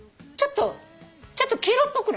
ちょっと黄色っぽくない？